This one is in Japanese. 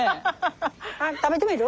食べてみる？